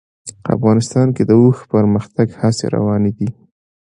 افغانستان کې د اوښ د پرمختګ هڅې روانې دي.